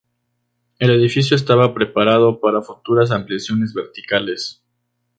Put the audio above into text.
El edificio estaba preparado para futuras ampliaciones verticales.